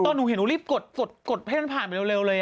ตอนนี้หนูเห็นหนูรีบกดเพลงนั้นผ่านไปเร็วเลย